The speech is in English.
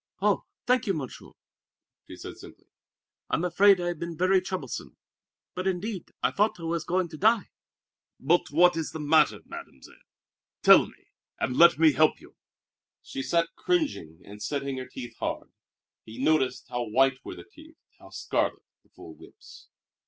"Oh, thank you Monsieur!" she said simply. "I'm afraid I have been very troublesome. But, indeed, I thought I was going to die." "But what is the matter, Mademoiselle? Tell me, and let me help you." She sat cringing and setting her teeth hard. He noticed how white were the teeth, how scarlet the full lips.